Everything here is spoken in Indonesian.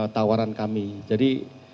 tawaran kami jadi